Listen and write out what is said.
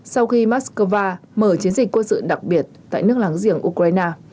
sau khi moscow mở chiến dịch quân sự đặc biệt tại nước láng giềng ukraine